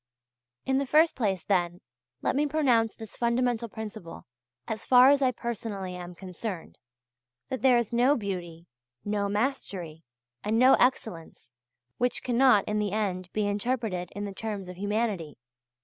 In the first place, then, let me pronounce this fundamental principle, as far as I personally am concerned that there is no beauty, no mastery, and no excellence, which cannot in the end be interpreted in the terms of humanity.